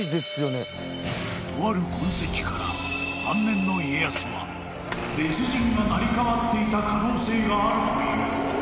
［とある痕跡から晩年の家康は別人が成り代わっていた可能性があるという］